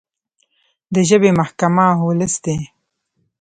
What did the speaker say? د ژبې محکمه ولس دی.